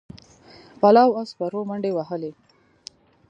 پلو او سپرو منډې وهلې.